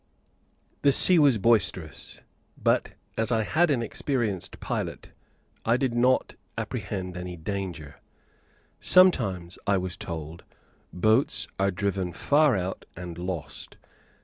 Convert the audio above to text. The sea was boisterous, but, as I had an experienced pilot, I did not apprehend any danger. Sometimes, I was told, boats are driven far out and lost.